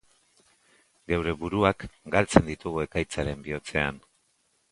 Geure buruak galtzen ditugu ekaitzaren bihotzean.